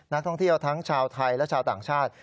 นักท่องเที่ยวทั้งชาวไทยและชาวต่างชาติ